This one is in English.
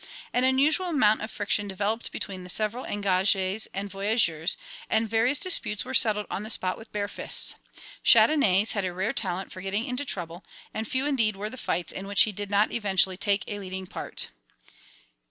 An unusual amount of friction developed between the several engagés and voyageurs, and various disputes were settled on the spot with bare fists. Chandonnais had a rare talent for getting into trouble, and few indeed were the fights in which he did not eventually take a leading part.